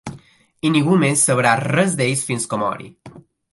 I ningú més sabrà res d'ells fins que mori.